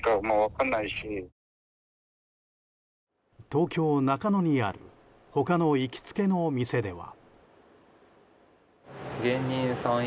東京・中野にある他の行きつけの店では。